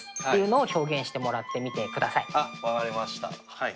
はい。